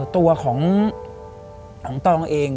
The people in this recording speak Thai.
ตัวของตองเอง